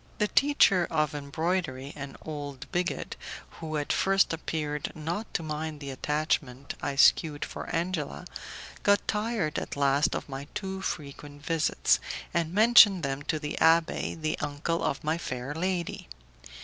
The teacher of embroidery, an old bigot, who at first appeared not to mind the attachment I shewed for Angela, got tired at last of my too frequent visits, and mentioned them to the abbé, the uncle of my fair lady.